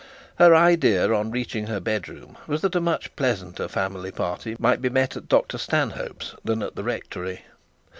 Her first idea on reaching her bedroom was that a much more pleasant family party might be met at Dr Stanhope's than at the rectory.